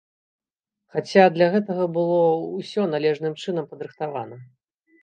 Хаця для гэтага было ўсё належным чынам падрыхтавана.